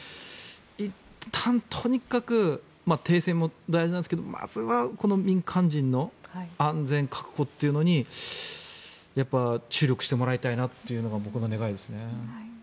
いったん、とにかく停戦も大事なんですけどまずはこの民間人の安全確保というのに注力してもらいたいなというのが僕の願いですね。